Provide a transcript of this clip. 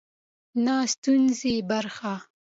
نه د ستونزې برخه.